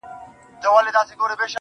خداى نه چي زه خواست كوم نو دغـــه وي.